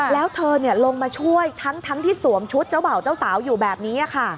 แล้วเธอลงมาช่วยทั้งที่สวมชุดเจ้าบ่าวเจ้าสาวอยู่แบบนี้ค่ะ